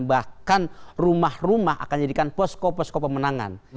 bahkan rumah rumah akan dijadikan posko posko pemenangan